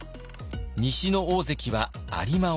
西の大関は有馬温泉。